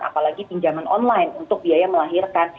apalagi pinjaman online untuk biaya melahirkan